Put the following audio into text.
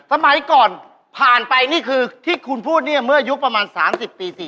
สมัยก่อนผ่านไปนี่คือที่คุณพูดเนี่ยเมื่ออายุประมาณ๓๐ปี๔๐